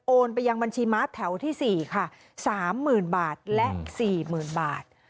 โอนไปยังบัญชีม้าแถวที่สี่ค่ะสามหมื่นบาทและสี่หมื่นบาท